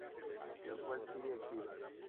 La cual sigue activa.